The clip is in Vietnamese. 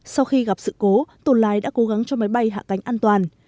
sau khi gặp sự cố tồn lái đã cố gắng cho máy bay hạ cánh an toàn